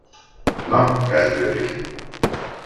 Na, kezdődik.